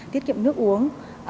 tiết kiệm nước uống